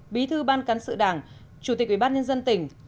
bí thư ban cán sự đảng chủ tịch ubnd tỉnh